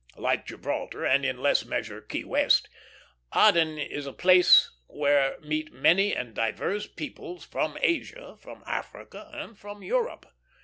Like Gibraltar, and in less measure Key West, Aden is a place where meet many and divers peoples from Asia, from Africa, and from Europe.